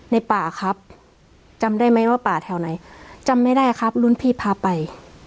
ในป่าครับจำได้ไหมว่าป่าแถวไหนจำไม่ได้ครับรุ่นพี่พาไป